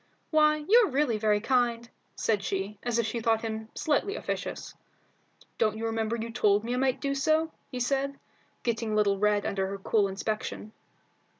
"Why, you're really very kind," said she, as if she thought him slightly officious. "Don't you remember you told me I might do so?" he said, getting a little red under her cool inspection.